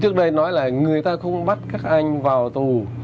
trước đây nói là người ta không bắt các anh vào tù